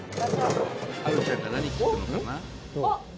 はるちゃんが何引くのかな？